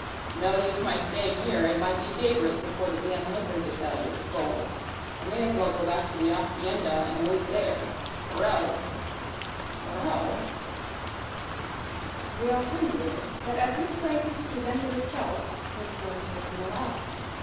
"No use my staying here! It might be daybreak before the damned liquor gets out of his skull. I may as well go back to the hacienda and wait there; or else or else " The alternative, that at this crisis presented itself, was nor, spoken aloud.